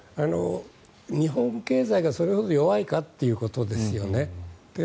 日本経済がそれほど弱いかっていうことですよね。